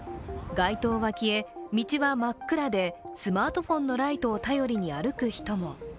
街灯は消え、道は真っ暗でスマートフォンのライトを頼りに歩く人も。